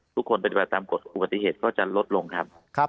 ทุกคนปฏิบัติตามกฎอุปฏิเหตุก็จะลดลงครับ